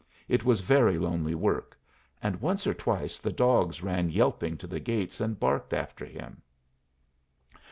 It was very lonely work, and once or twice the dogs ran yelping to the gates and barked after him.